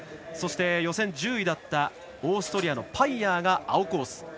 そして、予選１０位だったオーストリアのパイヤーが青コース。